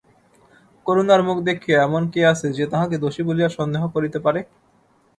করুণার মুখ দেখিয়া, এমন কে আছে যে তাহাকে দোষী বলিয়া সন্দেহ করিতে পারে?